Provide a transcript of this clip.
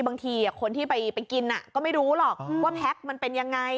บางทีคนที่ไปกินก็ไม่รู้หรอกว่าแพ็คมันเป็นยังไง